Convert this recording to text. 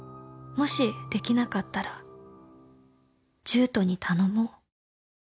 「もしできなかったらジュートに頼もう」